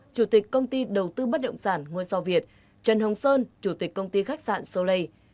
chủ tịch công ty đầu tư bất động sản ngôi sao việt trần hồng sơn chủ tịch công ty khách sạn soleil